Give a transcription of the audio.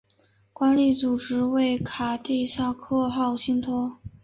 管理组织为卡蒂萨克号信托。